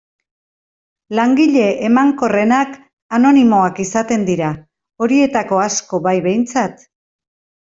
Langile emankorrenak anonimoak izaten dira, horietako asko bai behintzat.